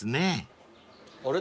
あれ？